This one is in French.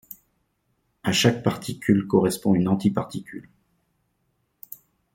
À chaque particule correspond une antiparticule.